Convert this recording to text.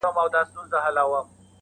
خلک عادي ژوند ته ستنېږي ورو-